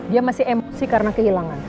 dia masih emosi karena kehilangan